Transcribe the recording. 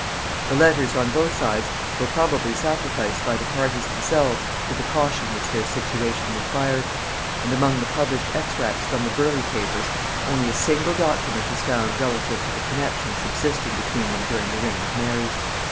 The letters on both sides were probably sacrificed by the parties themselves to the caution which their situation required; and among the published extracts from the Burleigh papers, only a single document is found relative to the connexion subsisting between them during the reign of Mary.